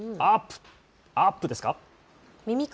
アップですか。